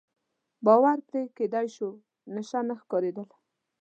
باور پرې کېدای شو، نشه ښکارېدل.